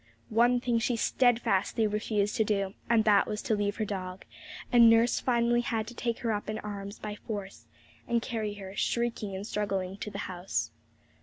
One thing she stedfastly refused to do, and that was to leave her dog, and nurse finally had to take her up in her arms by force, and carry her, shrieking and struggling, to the house.